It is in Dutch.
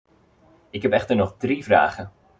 Ik heb echter nog drie vragen.